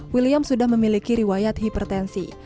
william sudah memiliki riwayat hipertensi